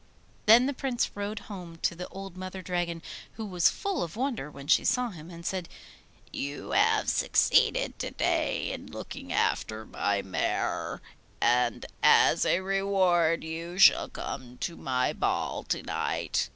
Then the Prince rode home to the old Mother Dragon, who was full of wonder when she saw him, and said, 'You have succeeded to day in looking after my mare, and as a reward you shall come to my ball to night.